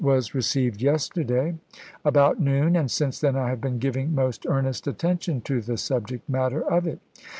was received yesterday about noon, and since then I have been giving most earnest attention to the subject matter of it.